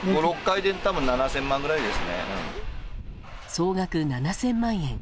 総額７０００万円。